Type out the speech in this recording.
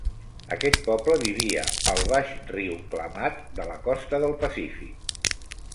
Aquest poble vivia al baix riu Klamath de la costa del Pacífic.